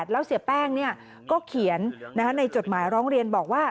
แล้วเสียแป้งก็เขียนในจดหมายร้องเรียนบอกว่า